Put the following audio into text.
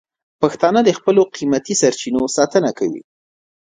پښتانه د خپلو قیمتي سرچینو ساتنه کوي.